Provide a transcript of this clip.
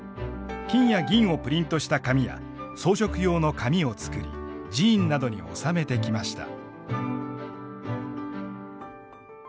金や銀をプリントした紙や装飾用の紙を作り寺院などに納めてきました。